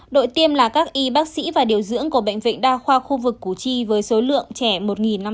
đội tiêm là các y bác sĩ và điều dưỡng của bệnh viện đa khoa khu vực củ chi với số lượng trẻ một năm trăm linh